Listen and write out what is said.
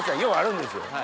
ようあるんですよ。